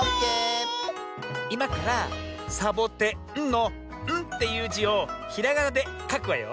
いまからさぼてんの「ん」っていう「じ」をひらがなでかくわよ。